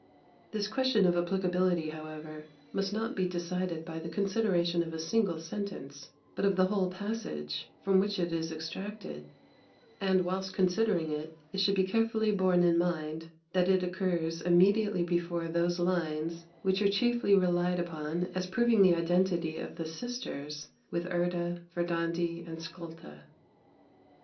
This question of applicability, however, must not be decided by the consideration of a single sentence, but of the whole passage from which it is extracted; and, whilst considering it, it should be carefully borne in mind that it occurs immediately before those lines which are chiefly relied upon as proving the identity of the sisters with Urda, Verdandi, and Skulda.